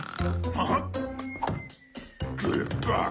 あっ！